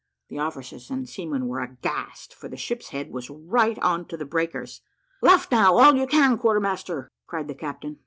The officers and seamen were aghast, for the ship's head was right on to the breakers. "Luff now, all you can, quarter master," cried the captain.